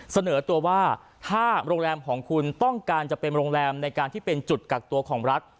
เสนอตัวว่าถ้าโรงแรมของคุณต้องการจะเป็นโรงแรมในการที่เป็นจุดกักตัวของรัฐ